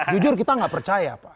jujur kita tidak percaya